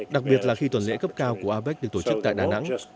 đặc biệt là khi tuần lễ cấp cao của apec được tổ chức tại đà nẵng